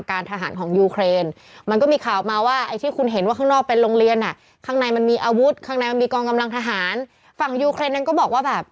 การทหารของยูเครนไม่ก็มีข่าวรอบมาว่าอย่างที่คุณเห็นว่าห้องนอกไปโรงเรียนแหละกลางในมันมีอาวุธข้างในมามีกองกำลังทหารฝั่งยูเครนจะ